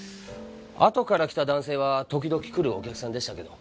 あとから来た男性は時々来るお客さんでしたけど。